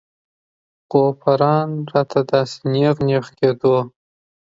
غوپران راته داسې نېغ نېغ کېدو.